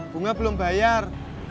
bunga belum bayar